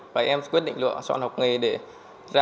và em quyết định lựa chọn học nghề để ra